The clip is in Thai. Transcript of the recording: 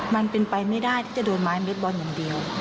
มันเป็นไปไม่ได้ที่จะโดนไม้เม็ดบอลอย่างเดียว